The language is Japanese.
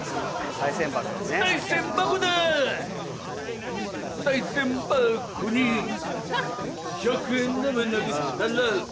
賽銭箱に１００円玉投げたら